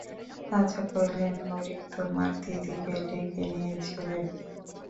রাজা কহিলেন, হরি তোমার দিদিকে ডেকে নিয়েছেন।